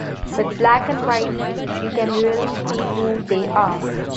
With black and white, you can really see who they are.